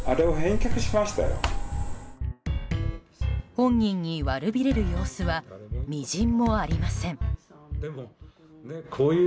本人に悪びれる様子はみじんもありません。